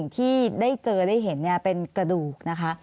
ที่ได้เห็นเป็นกระดูก